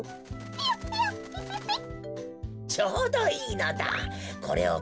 ピヨピヨピヨピヨピヨ。